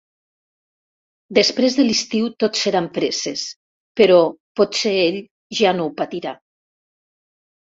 Després de l'estiu tot seran presses, però potser ell ja no ho patirà.